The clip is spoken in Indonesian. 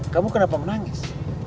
kamu kenapa menangis